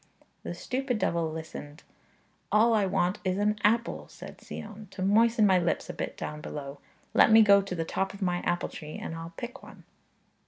The stupid devil listened. 'All I want is an apple,' said Sion, 'to moisten my lips a bit down below; let me go to the top of my apple tree, and I'll pick one.'